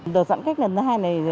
được giãn cách lần thứ hai này